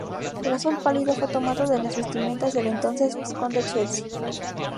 El azul pálido fue tomado de las vestimentas del entonces vizconde Chelsea.